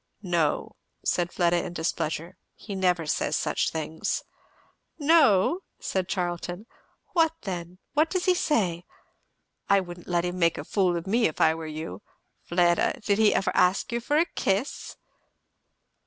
"No," said Fleda in displeasure, "he never says such things." "No?" said Charlton. "What then? What does he say? I wouldn't let him make a fool of me if I were you. Fleda! did he ever ask you for a kiss?"